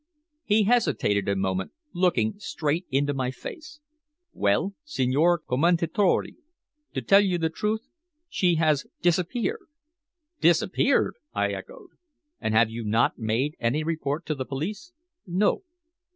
He hesitated a moment, looking straight into my face. "Well, Signor Commendatore, to tell the truth, she has disappeared." "Disappeared!" I echoed. "And have you not made any report to the police?" "No."